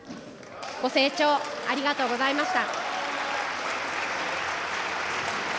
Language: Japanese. ご清聴、ありがとうございました。